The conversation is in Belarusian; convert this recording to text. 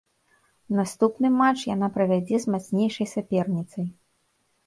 Наступны матч яна правядзе з мацнейшай саперніцай.